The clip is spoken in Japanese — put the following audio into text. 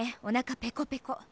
おなかペコペコ。